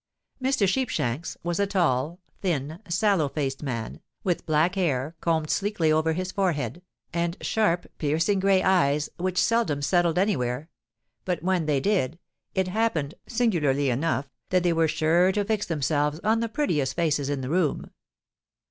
Mr. Sheepshanks was a tall, thin, sallow faced man, with black hair combed sleekly over his forehead, and sharp, piercing grey eyes, which seldom settled anywhere—but when they did, it happened (singularly enough!) that they were sure to fix themselves on the prettiest faces in the room.